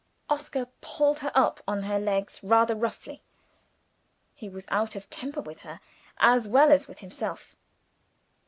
Oscar pulled her up on her legs rather roughly. He was out of temper with her, as well as with himself.